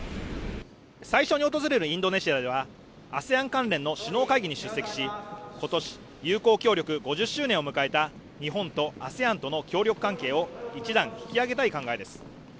最初に訪れるインドネシアではＡＳＥＡＮ関連の首脳会議に出席し今年友好協力５０周年を迎えた日本とＡＳＥＡＮとの協力関係を一段引き上げたい考えです